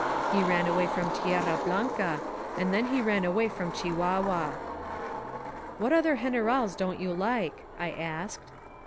He ran away from Tierra Blanca, and then he ran away from Chihua* hua !" *nVhat other Grenerals don't you like?" I asked.